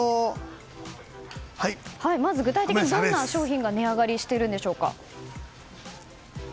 具体的にどんな商品が値上がりしているんでしょうか。